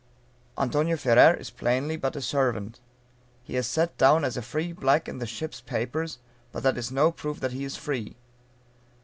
Antonio Ferrer is plainly but a servant. He is set down as a free black in the ship's papers, but that is no proof that he is free.